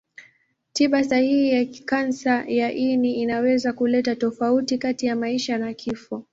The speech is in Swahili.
Tiba sahihi ya kansa ya ini inaweza kuleta tofauti kati ya maisha na kifo.